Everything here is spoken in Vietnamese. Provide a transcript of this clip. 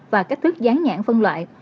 và cách thức gián nhãn phân loại